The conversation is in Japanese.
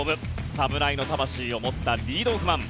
侍の魂を持ったリードオフマン